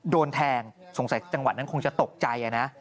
โดนแทงสงสัยจังหวัดนั้นคงจะตกใจนะ